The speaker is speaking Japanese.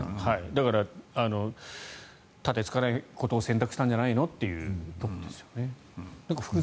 だから盾つかないことを選択したんじゃないのっていうところですよね。